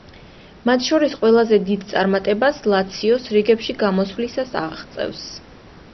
მათ შორის ყველაზე დიდ წარმატებას „ლაციოს“ რიგებში გამოსვლისას აღწევს.